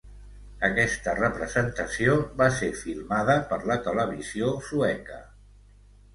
Aquesta representació va ser filmada per la Televisió Sueca.